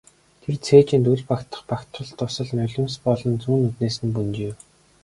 Тэр цээжинд үл багтах багтрал дусал нулимс болон зүүн нүднээс нь бөнжийв.